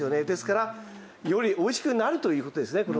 ですからよりおいしくなるという事ですね